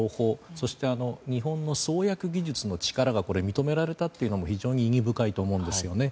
そして日本の創薬技術の力が認められたというのも非常に意味深いと思うんですね。